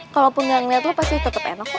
kalaupun gak ngeliat lo pasti tetep enak kok